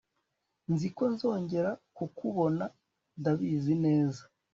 nzi ko nzongera kukubona ndabizi neza